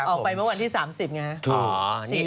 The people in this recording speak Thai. ออกไปเมื่อวันที่๓๐ไงครับ